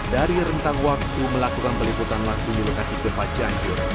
dari rentang waktu melakukan peliputan waktu di lokasi gempa cianjur